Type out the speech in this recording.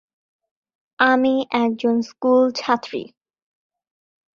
এর দক্ষিণের প্রাচীরের ওপর দিকে রয়েছে শ্রীমঙ্গল সরকারি কলেজ।